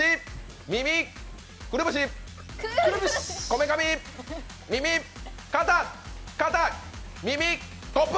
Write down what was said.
耳、くるぶし、こめかみ、耳、肩肩、耳、コップ！